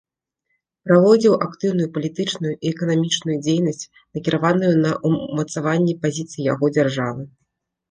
Праводзіў актыўную палітычную і эканамічную дзейнасць, накіраваную на ўмацаванне пазіцый яго дзяржавы.